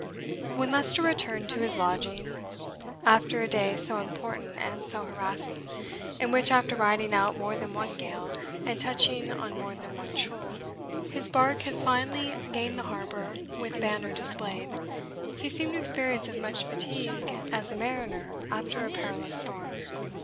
When Leicester returned to his lodging, alter a day so important and so harassing, in which, after riding out more than one gale, and touching on more than one shoal, his bark had finally gained the harbour with banner displayed, he seemed to experience as much fatigue as a mariner after a perilous storm.